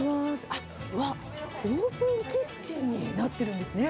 あっ、オープンキッチンになってるんですね。